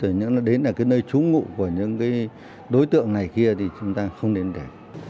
nó đến là cái nơi trú ngụ của những cái đối tượng này kia thì chúng ta không nên để